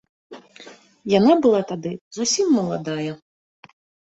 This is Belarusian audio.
Яна была тады зусім маладая.